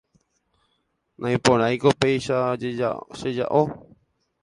naiporãiko péicha cheja'o